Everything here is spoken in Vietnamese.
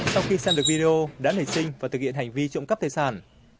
sau khi xem được video đã nảy sinh và thực hiện hành vi trộm cắp tài sản